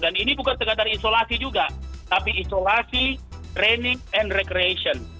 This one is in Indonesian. dan ini bukan sekadar isolasi juga tapi isolasi training and recreation